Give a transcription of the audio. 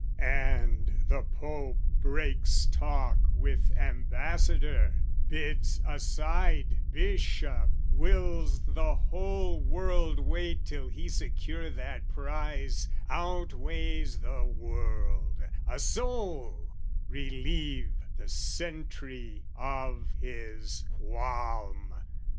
And the Pope breaks talk with ambassador, Bids aside bishop, wills the whole world wait Till he secure that prize, outweighs the world, A soul, relieve the sentry of his qualm!